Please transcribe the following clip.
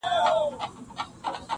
لمر له ښاره کوچېدلی -